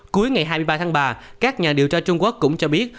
cuối ngày hai mươi ba tháng ba các nhà điều tra trung quốc cũng cho biết